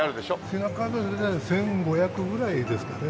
品数自体は１５００ぐらいですかね。